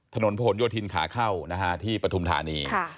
ถนนผนโยธินขาเข้าที่ปฐุมธานี